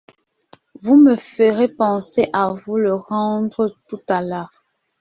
Vous me ferez penser à vous le rendre tout à l’heure.